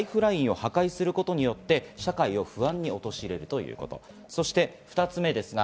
ライフラインを破壊することによって社会を不安に陥れるということ。